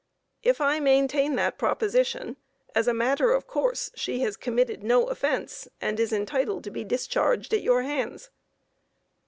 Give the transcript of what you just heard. If I maintain that proposition, as a matter of course she has committed no offence, and is entitled to be discharged at your hands.